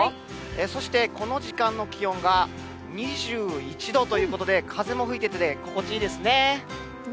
そして、この時間の気温が２１度ということで、風も吹いててね、心地いいですね。